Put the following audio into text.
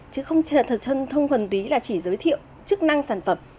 chứ không thân thông phần tí là chỉ giới thiệu chức năng sản phẩm